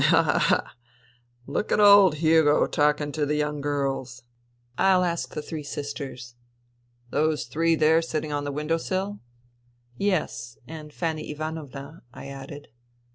Ha ! ha ! ha ! Look at old Hugo talking to the young girls !"'* I'll ask the three sisters. ..."" Those three there sitting on the window sill ?"." Yes. ... And Fanny Ivanovna," I added.